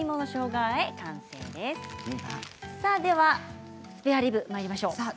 ではスペアリブにまいりましょう。